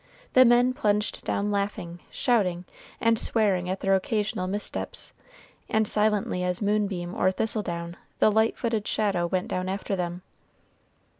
The men plunged down laughing, shouting, and swearing at their occasional missteps, and silently as moonbeam or thistledown the light footed shadow went down after them.